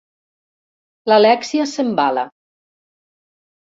L'Alèxia s'embala.